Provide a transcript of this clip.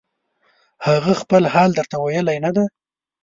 هغه خپل حال درته ویلی نه دی